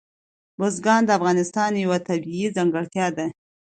بزګان د افغانستان یوه طبیعي ځانګړتیا ده.